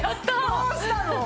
どうしたの！？